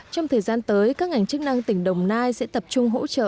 trong thời gian tới các ngành chức năng tỉnh đồng nai sẽ tập trung hỗ trợ